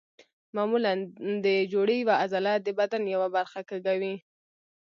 معمولا د جوړې یوه عضله د بدن یوه برخه کږوي.